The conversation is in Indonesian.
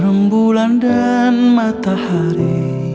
rembulan dan matahari